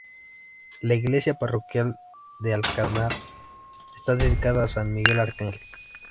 La iglesia parroquial de Alcanar está dedicada a san Miguel Arcángel.